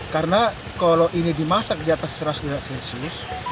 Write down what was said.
karena kalau ini dimasak di atas seratus derajat celcius